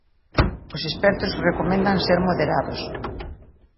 Os expertos recomendan ser moderados.